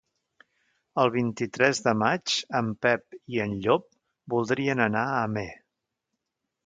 El vint-i-tres de maig en Pep i en Llop voldrien anar a Amer.